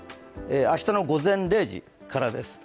明日の午前０時からです。